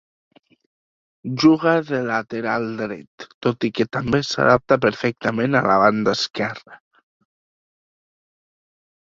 Juga de lateral dret, tot i que també s'adapta perfectament a la banda esquerra.